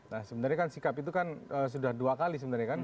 nah sebenarnya kan sikap itu kan sudah dua kali sebenarnya kan